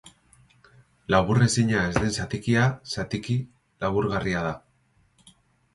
Laburrezina ez den zatikia, zatiki laburgarria da.